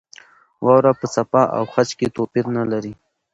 واوره په څپه او خج کې توپیر نه لري.